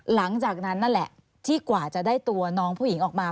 หลังจากนั้นนั่นแหละที่กว่าจะได้ตัวน้องผู้หญิงออกมา